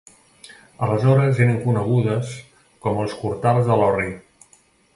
Aleshores eren conegudes com els cortals de l'Orri.